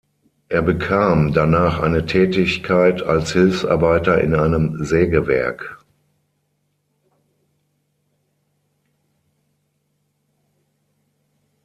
Er bekam danach eine Tätigkeit als Hilfsarbeiter in einem Sägewerk.